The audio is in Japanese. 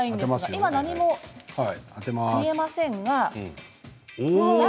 今、何も見えませんが。